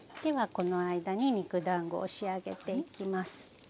この間に肉だんごを仕上げていきます。